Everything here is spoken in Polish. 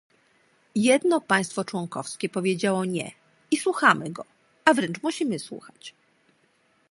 Jedno państwo członkowskie powiedziało "nie" i słuchamy go, a wręcz musimy słuchać